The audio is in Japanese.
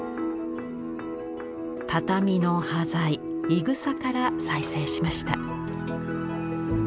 畳の端材「いぐさ」から再生しました。